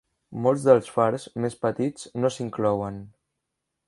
Molts dels fars més petits no s'inclouen.